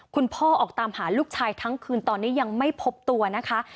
พ่อออกตามหาลูกชายทั้งคืนตอนนี้ยังไม่พบตัวนะคะ